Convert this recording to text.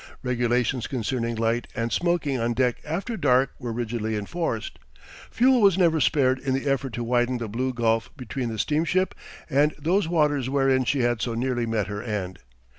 Regulations concerning light and smoking on deck after dark were rigidly enforced. Fuel was never spared in the effort to widen the blue gulf between the steamship and those waters wherein she had so nearly met her end.